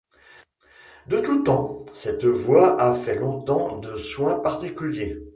De tout temps cette voie a fait l'objet de soins particuliers.